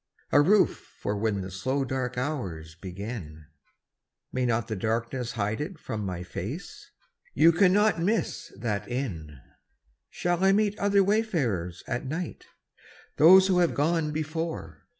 A roof for when the slow dark hours begin. May not the darkness hide it from my face? You cannot miss that inn. Shall I meet other wayfarers at night? Those who have gone before.